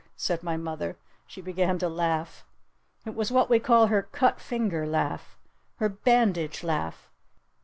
said my mother. She began to laugh. It was what we call her cut finger laugh, her bandage laugh.